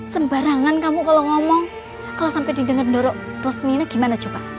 sembarangan kamu kalau ngomong kalau sampai didengar dorok resminya gimana coba